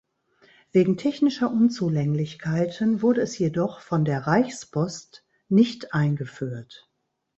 Wegen technischer Unzulänglichkeiten wurde es jedoch von der Reichspost nicht eingeführt.